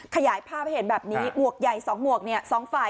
ขยายภาพให้เห็นแบบนี้หมวกใหญ่๒หมวกเนี่ย๒ฝ่าย